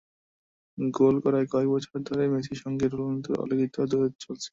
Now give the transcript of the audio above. গোল করায় কয়েক বছর ধরেই মেসির সঙ্গে রোনালদোর অলিখিত দ্বৈরথ চলছে।